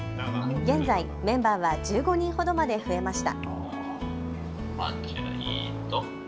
現在、メンバーは１５人ほどまで増えました。